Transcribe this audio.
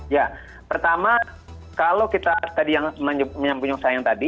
ya pertama kalau kita tadi yang menyambung sayang tadi